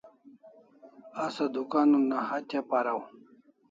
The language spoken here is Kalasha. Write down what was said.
Asa dukan una hatya paraw